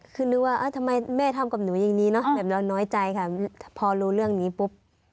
คือนึกว่าทำไมแม่ทำกับหนูอย่างนี้เนอะแบบเราน้อยใจค่ะพอรู้เรื่องนี้ปุ๊บ